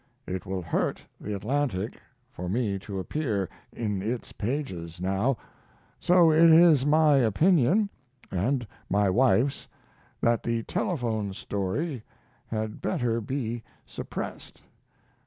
It will hurt the Atlantic for me to appear in its pages now. So it is my opinion, and my wife's, that the telephone story had better be suppressed.